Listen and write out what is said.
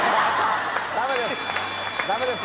ダメです。